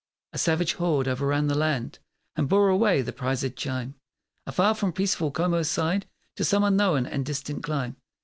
A savage horde o'erran the land And bore away the prizéd chime; Afar from peaceful Como's side, To some unknown and distant clime.